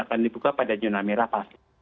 akan dibuka pada zona merah pasti